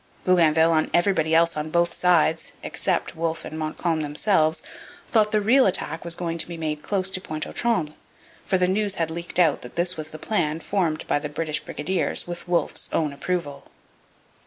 Bougainville and everybody else on both sides except Wolfe and Montcalm themselves thought the real attack was going to be made close to Pointe aux Trembles, for news had leaked out that this was the plan formed by the British brigadiers with Wolfe's own approval.